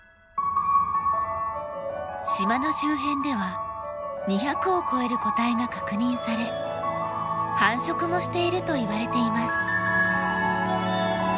島の周辺では２００を超える個体が確認され繁殖もしているといわれています。